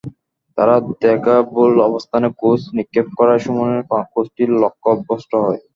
তার দেখা ভুল অবস্থানে কোঁচ নিক্ষেপ করায় সুমনের কোঁচটি লক্ষ্যভ্রষ্ট হয়।